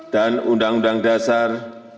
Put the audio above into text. dan undang undang dasar